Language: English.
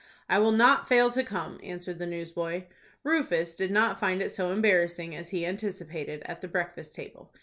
"I will not fail to come," answered the newsboy. Rufus did not find it so embarrassing as he anticipated at the breakfast table.